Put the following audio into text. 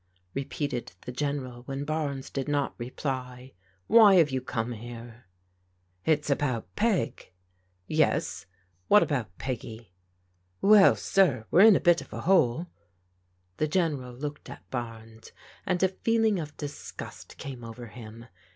repeated die General wben Barnes <fid not reply. ''Why have • It's aboat Peg.* "Yes, wbat about Pfeggy?" •• Wen, sir, we're in a Ut of a hole. The General looked at Barnes, and a feeling of disgust came over him.